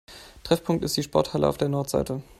Treffpunkt ist die Sporthalle auf der Nordseite.